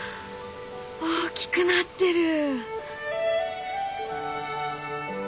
大きくなってる。